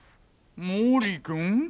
毛利君。